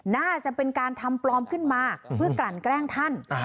น่าจะเป็นการทำปลอมขึ้นมาเพื่อกลั่นแกล้งท่าน